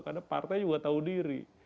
karena partai juga tahu diri